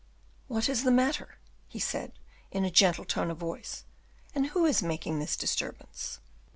"What is the matter?" he said, in a gentle tone of voice, "and who is making this disturbance?"